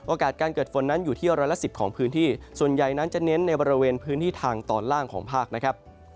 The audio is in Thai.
การเกิดฝนนั้นอยู่ที่ร้อยละ๑๐ของพื้นที่ส่วนใหญ่นั้นจะเน้นในบริเวณพื้นที่ทางตอนล่างของภาคนะครับ